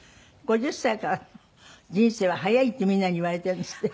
「５０歳から人生は早い」ってみんなに言われてるんですって？